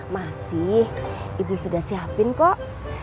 masih ibu sudah siapin kok